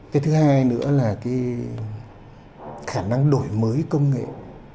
cái thứ hai nữa là cái khả năng đổi mới công nghệ